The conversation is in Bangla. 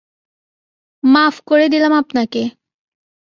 মাফ করে দিলাম আপনাকে।